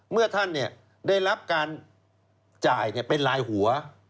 เมื่อท่านได้รับการจ่ายเป็นลายหัว